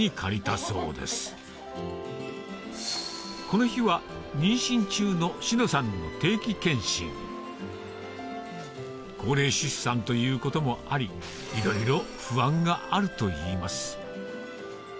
この日は妊娠中の志乃さんの高齢出産ということもありいろいろ不安があるといいます